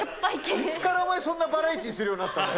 いつからお前、そんなバラエティーするようになったんだよ。